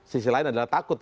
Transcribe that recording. sisi lain adalah takut